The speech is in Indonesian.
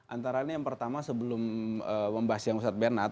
antara ini yang pertama sebelum membahas yang ustadz bernar